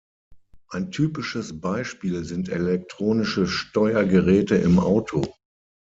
Ein typisches Beispiel sind elektronische Steuergeräte im Auto.